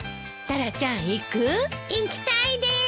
タラちゃん行く？行きたいです！